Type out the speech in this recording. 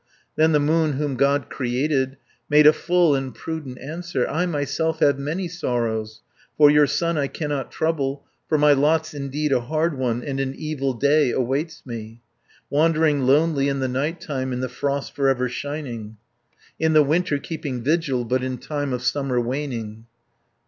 Then the moon whom God created, Made a full and prudent answer: "I myself have many sorrows, For your son I cannot trouble, 170 For my lot's indeed a hard one, And an evil day awaits me, Wandering lonely in the night time, In the frost for ever shining, In the winter keeping vigil, But in time of summer waning."